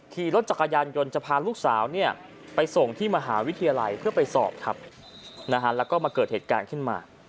ขี่รถจักรยานยนต์จะพาลูกสาวไปส่งที่มหาวิทยาลัยเพื่อไปสอบครับแล้วก็มาเกิดเหตุการณ์ขึ้นมา